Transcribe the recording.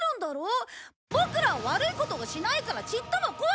ボクらは悪いことをしないからちっとも怖くないよ！